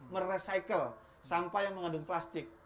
merecycle sampah yang mengandung plastik